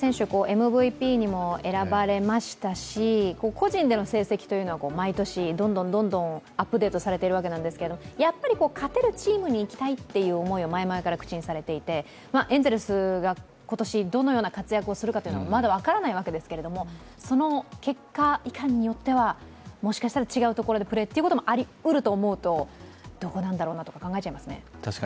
個人での成績は毎年どんどんアップデートされているわけなんですが、やっぱり勝てるチームに行きたいという思いを前々から口にされていてエンゼルスが今年、どのような活躍をするかというのはまだ分からないわけですけども、その結果いかんによっては、もしかしたら違うところでもプレーということがありうるので、どこなんだろうなと考えてしまいますね。